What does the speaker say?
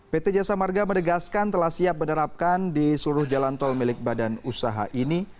pt jasa marga menegaskan telah siap menerapkan di seluruh jalan tol milik badan usaha ini